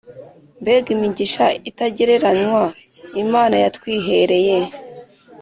Mbega imigisha itagereranywa imana yatwihereye